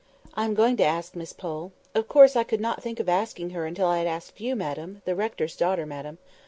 "I am going to ask Miss Pole. Of course, I could not think of asking her until I had asked you, madam—the rector's daughter, madam.